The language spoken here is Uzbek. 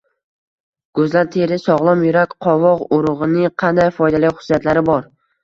Go‘zal teri, sog‘lom yurak: qovoq urug‘ining qanday foydali xususiyatlari bor?